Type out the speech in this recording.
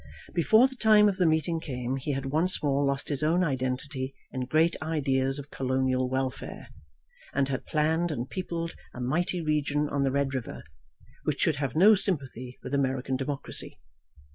Before the time of the meeting came he had once more lost his own identity in great ideas of colonial welfare, and had planned and peopled a mighty region on the Red River, which should have no sympathy with American democracy.